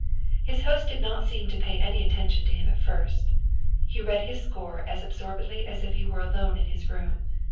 His host did not seem to pay any attention to him at first. He read his score as absorbedly as if he were alone in his room.